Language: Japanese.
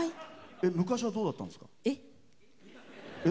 昔はどうだったんですか？